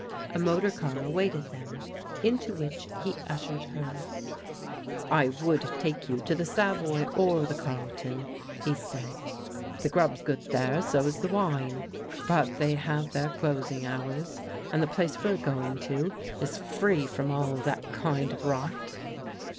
A motor car awaited them, into ich he ushered her. THE NIGHT CLUB AFFAIR 235 " I would take you to the Savoy or the Carlton," he said ;" the grub's good there, so is the wine. But they have their closing hours, and the place we're going to is free from all that kind of rot."